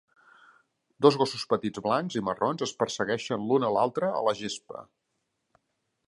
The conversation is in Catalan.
Dos gossos petits blancs i marrons es persegueixen l'un a l'altre a la gespa.